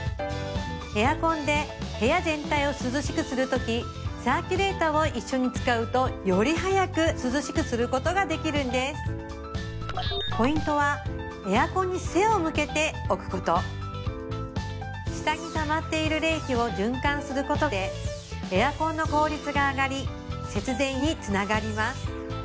エアコンで部屋全体を涼しくするときサーキュレーターを一緒に使うとより早く涼しくすることができるんですポイントはエアコンに背を向けて置くこと下にたまっている冷気を循環することでエアコンの効率が上がり節電につながります